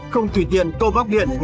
không thủy tiền câu bóc điện